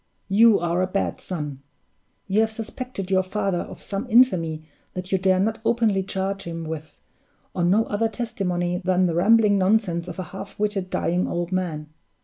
You are a bad son! You have suspected your father of some infamy that you dare not openly charge him with, on no other testimony than the rambling nonsense of a half witted, dying old man.